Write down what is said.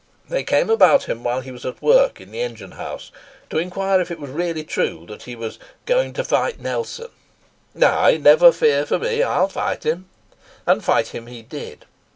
They came about him while he was at work in the engine house to inquire if it was really true that he was "goin to fight Nelson?" "Ay; never fear for me; I'll fight him." And fight him he did.